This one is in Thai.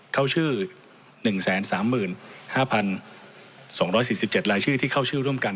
เข้าชื่อ๑๓๕๒๔๗รายชื่อที่เข้าชื่อร่วมกัน